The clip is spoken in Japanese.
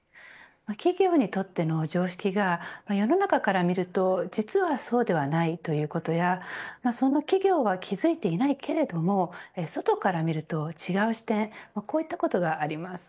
企業にとっての常識が世の中から見ると実はそうではないということやその企業は気づいていないけれども外から見ると違う視点こういったことがあります。